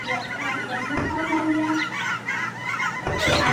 د ښو عادتونو خپلول وخت غواړي.